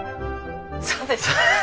そうですね。